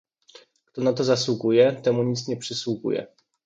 Kto na to zasługuje, temu nic nie przysługuje.